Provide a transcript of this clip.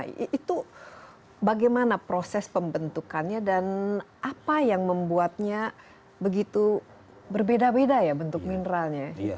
itu bagaimana proses pembentukannya dan apa yang membuatnya begitu berbeda beda ya bentuk mineralnya